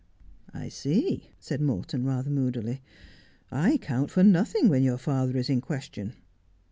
' I see,' said Morton, rather moodily. ' I count for nothing when your father is in question.